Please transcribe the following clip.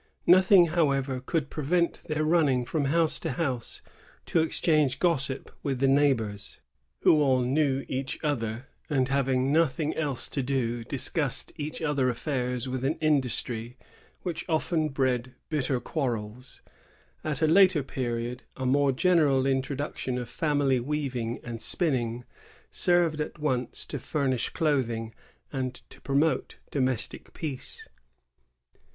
Noth ing, however, could prevent their running from house to house to exchange gossip with the neighbors, who all knew one another, and, having nothing else to do, discussed each other's affairs with an industry I La Potherie, i. 279. 190 MORALS AND MANNERS. [1685 1763. which often bred bitter quarrels. At a later period, a more general introduction of family weaving and spinning served at once to furnish clothing and to promote domestic peace.